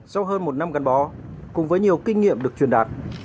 sau hơn một năm gắn bó cùng với nhiều kinh nghiệm được truyền đạt